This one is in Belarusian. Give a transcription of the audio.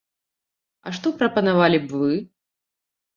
А што прапанавалі б вы?